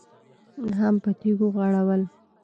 هم په تيږو غړول.